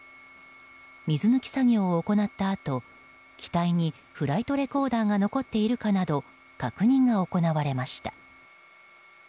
水抜き作業を行ったあと、機体にフライトレコーダーが残っているかなど確認が行われました。